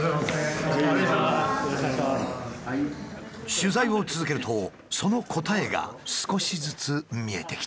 取材を続けるとその答えが少しずつ見えてきた。